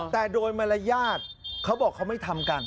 แต่โดยมารยาทเขาบอกเขาไม่ทำกัน